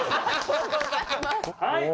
はい。